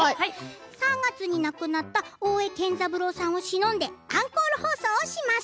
３月に亡くなった大江健三郎さんをしのんでアンコール放送します。